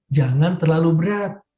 jangan terlalu berat